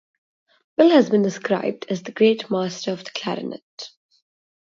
Bilk has been described as the "Great Master of the Clarinet".